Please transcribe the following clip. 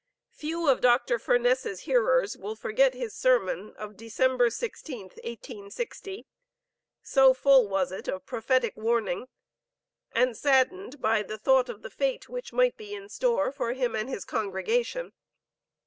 Few of Dr. Furness's hearers will forget his sermon of December 16, 1860, so full was it of prophetic warning, and saddened by the thought of the fate which might be in store for him and his congregation.